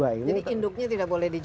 jadi induknya tidak boleh dijual